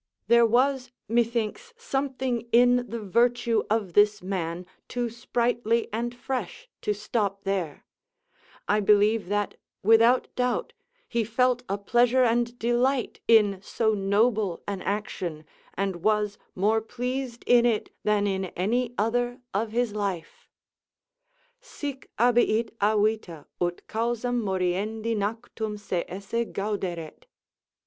There was, methinks, something in the virtue of this man too sprightly and fresh to stop there; I believe that, without doubt, he felt a pleasure and delight in so noble an action, and was more pleased in it than in any other of his life: "Sic abiit a vita, ut causam moriendi nactum se esse gauderet."